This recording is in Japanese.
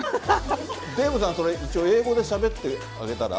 デーブさん、一応英語でしゃべってあげたら。